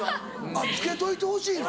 あっつけといてほしいの？